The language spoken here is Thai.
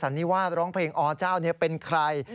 อันนี้ว่าร้องเพลงอ๋าวเจ้าเนี่ยเป็นใคร